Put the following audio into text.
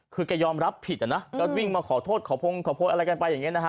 คือแกยอมรับผิดนะแล้ววิ่งมาขอโทษขอโพสต์อะไรกันไปอย่างนี้